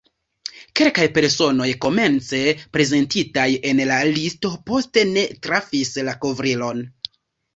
Kelkaj personoj, komence prezentitaj en la listo, poste ne trafis la kovrilon.